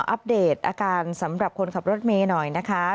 อัปเดตอาการสำหรับคนขับรถเมย์หน่อยนะคะ